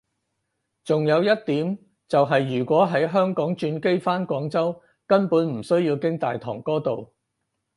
仲有一點就係如果喺香港轉機返廣州根本唔需要經大堂嗰度